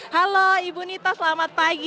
halo ibu nita selamat pagi